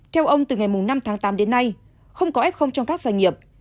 theo ông từ ngày năm tháng tám đến nay không có f trong các doanh nghiệp